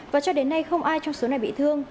và cho đến nay không ai trong số này bị thương